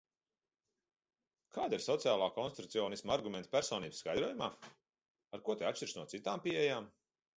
Kādi ir sociālā konstrukcionisma argumenti personības skaidrojumā, ar ko tie atšķiras no citām pieejām?